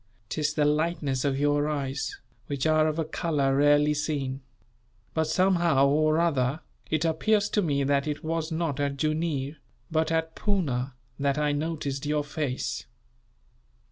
'Tis the lightness of your eyes, which are of a colour rarely seen; but somehow or other, it appears to me that it was not at Jooneer, but at Poona, that I noticed your face."